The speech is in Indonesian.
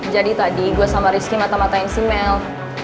jadi tadi gue sama rizky mata matain si mel